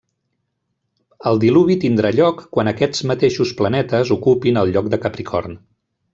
El diluvi tindrà lloc quan aquests mateixos planetes ocupin el lloc de Capricorn.